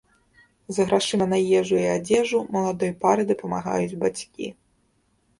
З грашыма на ежу і адзежу маладой пары дапамагаюць бацькі.